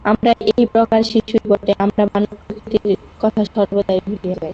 আমরা এই প্রকার শিশুই বটে! আমরা মানব-প্রকৃতির কথা সর্বদাই ভুলিয়া যাই।